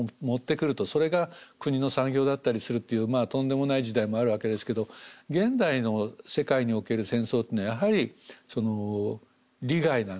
それが国の産業だったりするっていうとんでもない時代もあるわけですけど現代の世界における戦争っていうのはやはり利害なんですね。